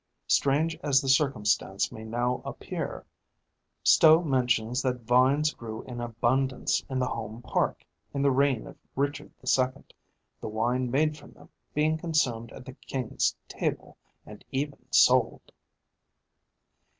Strange as the circumstance may now appear, Stow mentions that vines grew in abundance in the home park in the reign of Richard the Second, the wine made from them being consumed at the king's table, and even sold.